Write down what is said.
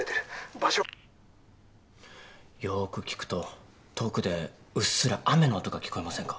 ブチッよく聞くと遠くでうっすら雨の音が聞こえませんか？